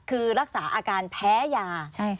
คือรักษาอาการแพ้ยา